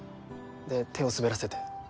で手を滑らせて。